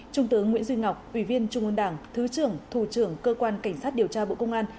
trung tướng nguyễn duy ngọc ủy viên trung ương đảng thứ trưởng thủ trưởng cơ quan cảnh sát điều tra bộ công an